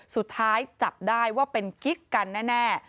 สุดท้ายจับได้ว่าเป็นกิ๊กกันแน่